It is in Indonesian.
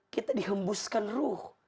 kita dihembuskan ruh